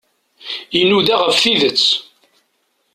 Inuda ɣef tidet.